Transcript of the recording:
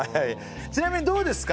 ちなみにどうですか？